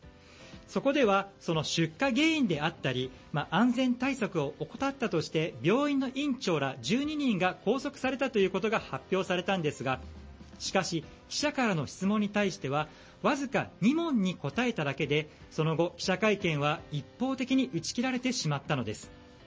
そこでは出火原因であったり安全対策を怠ったとして病院の院長ら１２人が拘束されたということが発表されたんですがしかし記者からの質問に対してはわずか２問に答えただけでその後、記者会見は一方的に打ち切られてしまったのです。